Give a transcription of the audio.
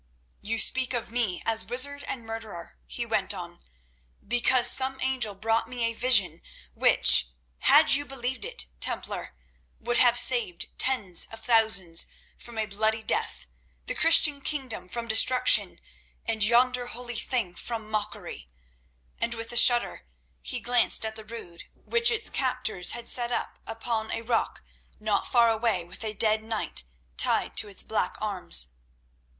"You speak of me as wizard and murderer," he went on, "because some angel brought me a vision which, had you believed it, Templar, would have saved tens of thousands from a bloody death, the Christian kingdom from destruction, and yonder holy thing from mockery," and with a shudder he glanced at the Rood which its captors had set up upon a rock not far away with a dead knight tied to its black arms.